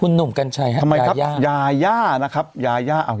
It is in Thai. คุณหนุ่มกัญชัยยาย่าทำไมครับยาย่านะครับยาย่าอยู่ไหน